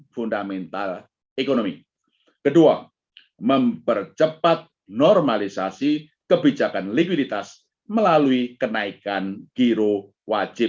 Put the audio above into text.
fundamental ekonomi kedua mempercepat normalisasi kebijakan likuiditas melalui kenaikan giro wajib